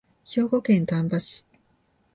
兵庫県丹波市